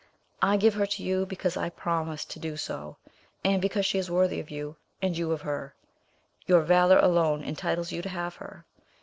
I give her to you because I promised to do so, and because she is worthy of you, and you of her; your valour alone entitles you to have her.